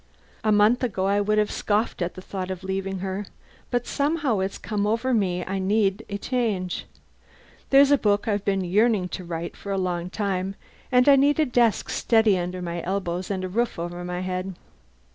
A month ago I would have scoffed at the thought of leaving her; but somehow it's come over me I need a change. There's a book I've been yearning to write for a long time, and I need a desk steady under my elbows and a roof over my head.